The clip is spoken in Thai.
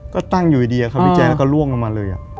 ก็ตั้งอยู่ดีครับพี่แจ๊แล้วก็ล่วงลงมาเลย